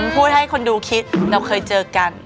พูดให้คนดูคิดเราเคยเจอกัน